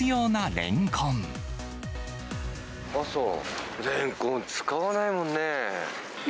レンコン使わないもんね。